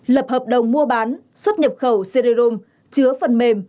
lập hợp đồng mua bán xuất nhập khẩu cd rom chứa phần mềm